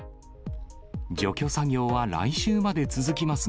除去作業は来週まで続きます